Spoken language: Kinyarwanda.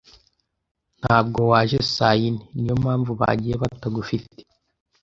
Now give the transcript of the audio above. Ntabwo waje saa yine. Niyo mpamvu bagiye batagufite.